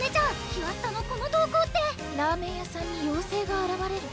キュアスタのこの投稿ってラーメン屋さんに妖精があらわれる